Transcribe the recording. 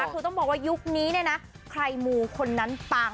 คือต้องบอกว่ายุคนี้เนี่ยนะใครมูคนนั้นปัง